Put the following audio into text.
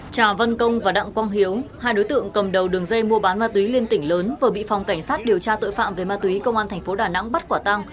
trà văn công và đặng quang hiếu hai đối tượng cầm đầu đường dây mua bán ma túy liên tỉnh lớn vừa bị phòng cảnh sát điều tra tội phạm về ma túy công an thành phố đà nẵng bắt quả tăng